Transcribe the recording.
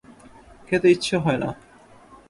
খেতে ইচ্ছে হয় না।